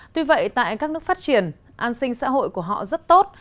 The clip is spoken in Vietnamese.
tuy vậy tại các nước phát triển an sinh xã hội của họ rất tốt